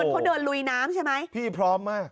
อ๋อเหรอโอ้โฮพี่พร้อมมาก